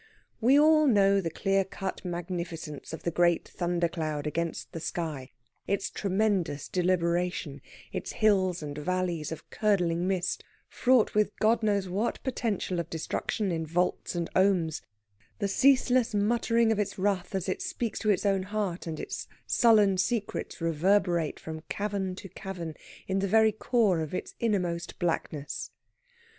We all know the clear cut magnificence of the great thundercloud against the sky, its tremendous deliberation, its hills and valleys of curdling mist, fraught with God knows what potential of destruction in volts and ohms; the ceaseless muttering of its wrath as it speaks to its own heart, and its sullen secrets reverberate from cavern to cavern in the very core of its innermost blackness.